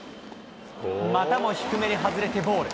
またも低めに外れてボール。